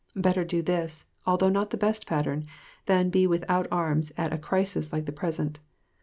Better do this, although not the best pattern, than be without arms at a crisis like the present.